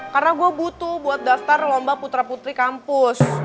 karena gue butuh buat daftar lomba putra putri kampus